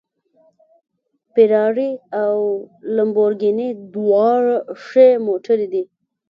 فېراري او لمبورګیني دواړه ښې موټرې دي